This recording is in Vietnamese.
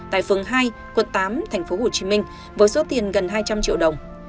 tại phường hai quận tám tp hcm với số tiền gần hai trăm linh triệu đồng